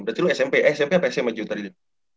berarti lu smp smp apa sma jo tadi